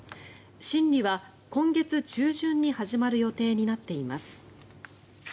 審理は今月中旬に始まる予定になっています。